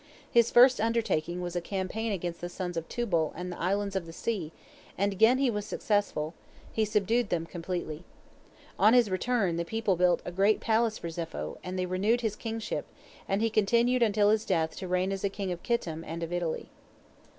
His first undertaking was a campaign against the sons of Tubal and the Islands of the Sea, and again he was successful, he subdued them completely. On his return, the people built a great palace for Zepho, and they renewed his kingship, and he continued until his death to reign as king of Kittim and of Italy.